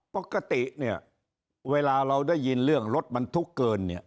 ปกติเนี่ยเวลาเราได้ยินเรื่องรถบรรทุกเกินเนี่ย